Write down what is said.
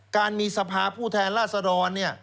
การมีสภาผู้แทนราษฎรเนี่ย